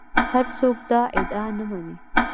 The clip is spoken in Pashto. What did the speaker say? هر څوک دا ادعا نه مني